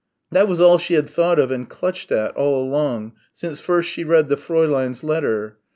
That was all she had thought of and clutched at all along, since first she read the Fräulein's letter.